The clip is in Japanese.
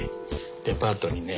デパートにね